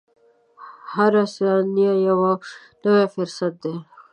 • هره ثانیه یو نوی فرصت دی.